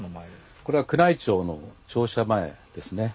これは宮内庁の庁舎前ですね。